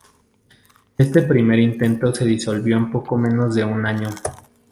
Este primer intento se disolvió en poco menos de un año.